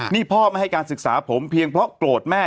นี่พ่อไม่ให้การศึกษาผมเพียงเพราะโกรธแม่